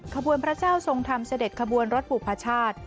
ขบวนพระเจ้าทรงธรรมเสด็จขบวนรถบุพชาติ